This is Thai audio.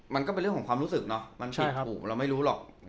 มันก็เป็นเรื่องของความรู้สึกเนาะมันปิดหูเราไม่รู้หรอก